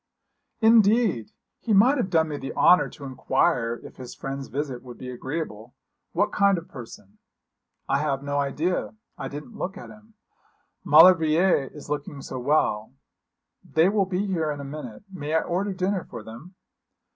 'Indeed! He might have done me the honour to inquire if his friend's visit would be agreeable. What kind of person?' 'I have no idea. I didn't look at him. Maulevrier is looking so well. They will be here in a minute. May I order dinner for them?'